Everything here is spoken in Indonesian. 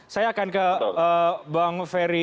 saya akan ke bang ferry